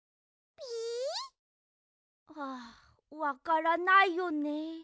ピ？はあわからないよね。